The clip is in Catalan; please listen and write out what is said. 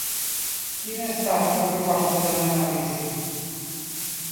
Quina ha estat la proposta de l’anàlisi?